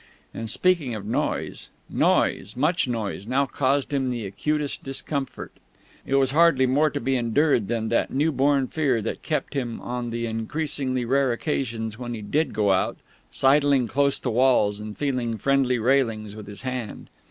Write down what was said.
And speaking of noise: noise, much noise, now caused him the acutest discomfort. It was hardly more to be endured than that new born fear that kept him, on the increasingly rare occasions when he did go out, sidling close to walls and feeling friendly railings with his hand.